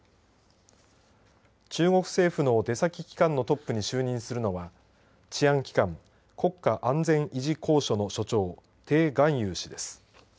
中国政府の出先機関のトップに就任するのは治安機関国家安全維持公署の署長鄭雁雄氏です。